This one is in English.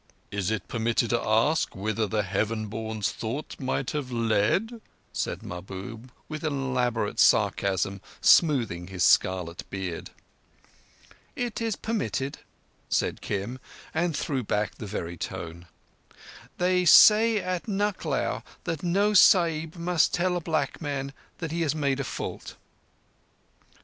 "Is it permitted to ask whither the Heaven born's thought might have led?" said Mahbub, with an elaborate sarcasm, smoothing his scarlet beard. "It is permitted," said Kim, and threw back the very tone. "They say at Nucklao that no Sahib must tell a black man that he has made a fault."